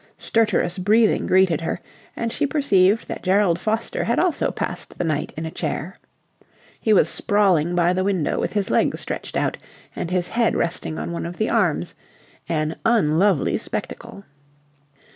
Stertorous breathing greeted her, and she perceived that Gerald Foster had also passed the night in a chair. He was sprawling by the window with his legs stretched out and his head resting on one of the arms, an unlovely spectacle.